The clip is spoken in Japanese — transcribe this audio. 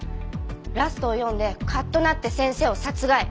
ラストを読んでカッとなって先生を殺害。